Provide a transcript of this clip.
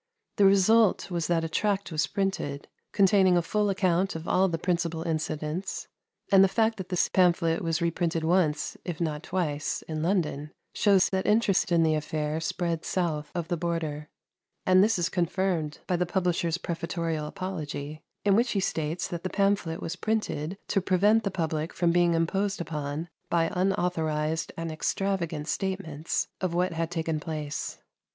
The result was that a tract was printed, containing a full account of all the principal incidents; and the fact that this pamphlet was reprinted once, if not twice, in London, shows that interest in the affair spread south of the Border; and this is confirmed by the publisher's prefatorial apology, in which he states that the pamphlet was printed to prevent the public from being imposed upon by unauthorized and extravagant statements of what had taken place.